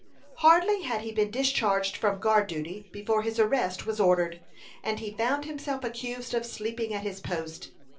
Hardly had he been discharged from guard duty before his arrest was ordered, and he found himself accused of sleeping at his post.